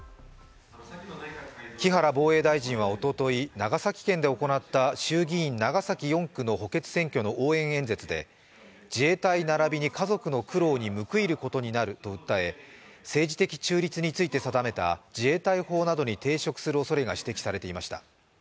木原防衛大臣はおととい、長崎県で行った衆議院・長崎４区の補欠選挙の応援演説で自衛隊並びに家族の苦労に報いることになると訴え政治的中立について定めた自衛隊法などに抵触するおそれが指摘されていました。